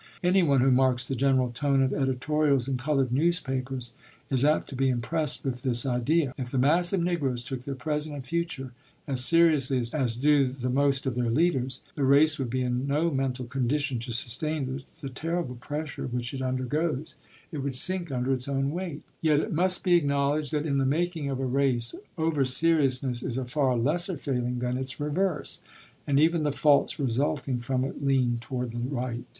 Anyone who marks the general tone of editorials in colored newspapers is apt to be impressed with this idea. If the mass of Negroes took their present and future as seriously as do the most of their leaders, the race would be in no mental condition to sustain the terrible pressure which it undergoes; it would sink of its own weight. Yet it must be acknowledged that in the making of a race overseriousness is a far lesser failing than its reverse, and even the faults resulting from it lean toward the right.